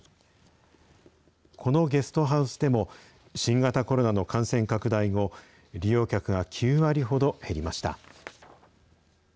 このゲストハウスでも新型コロナの感染拡大後、利用客が９割ほど減りました。